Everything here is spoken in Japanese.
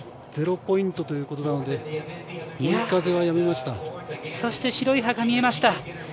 ０ポイントということなので白い歯が見えました。